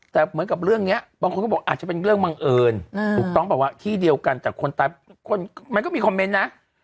แต่เหมือนกับเรื่องนี้บางคนก็บอกอาจจะเป็นเรื่องบังเอิญถูกต้องแบบว่าที่เดียวกันแต่คนตายมันก็มีคอมเมนต์นะ